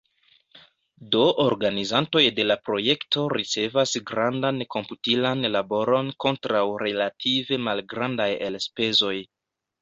Do organizantoj de la projekto ricevas grandan komputilan laboron kontraŭ relative malgrandaj elspezoj.